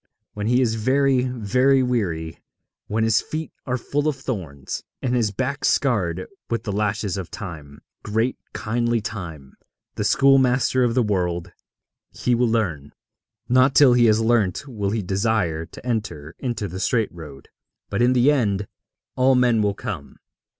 When he is very, very weary, when his feet are full of thorns, and his back scarred with the lashes of Time great, kindly Time, the schoolmaster of the world he will learn. Not till he has learnt will he desire to enter into the straight road. But in the end all men will come.